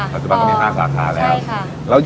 จุดปันก็มี๕สาขาแล้ว